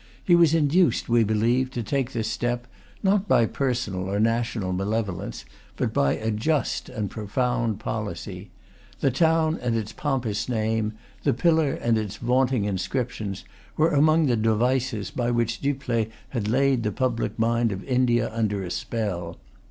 He was induced, we believe, to take this step, not by personal or national malevolence, but by a just and profound policy. The town and its pompous name, the pillar and its vaunting inscriptions, were among the devices by which Dupleix had laid the public mind of India under a spell.